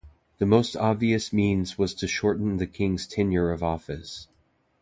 The most obvious means was to shorten the king's tenure of office.